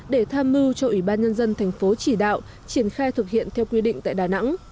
để tham mưu cho ủy ban nhân dân thành phố chỉ đạo triển khai thực hiện theo quy định tại đà nẵng